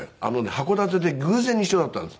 函館で偶然一緒になったんです。